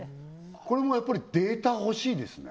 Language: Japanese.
これもやっぱりデータ欲しいですね？